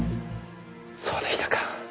そうでしたか。